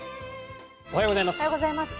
おはようございます。